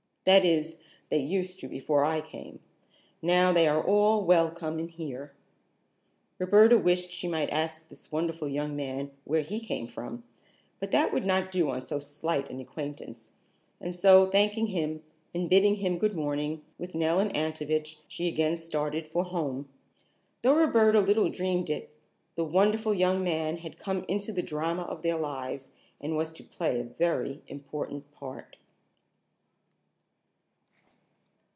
That is, they used to before I came. Now they are all welcome in here." Roberta wished she might ask this wonderful young man where he came from, but that would not do on so slight an acquaintance, and so thanking him and bidding him good morning, with Nell and Antovich, she again started for home. Though Roberta little dreamed it, the wonderful young man had come into the drama of their lives, and was to play a very important part.